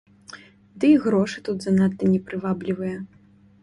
Ды і грошы тут занадта не прываблівыя.